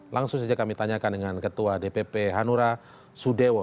langsung saja kami tanyakan dengan ketua dpp hanura sudewo